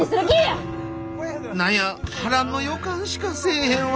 何や波乱の予感しかせえへんわ。